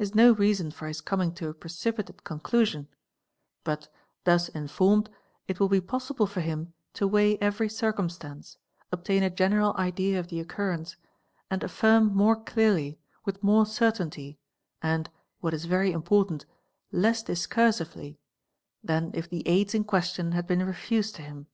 is no reason for his coming to a precipitate con clusion ; but, thus informed, it will be possible for him to weigh ever) circumstance, obtain a general idea of the occurrence, and affirm more clearly, with more certainty, and, what is very important, less discursively, than if the aids in question had been refused to him.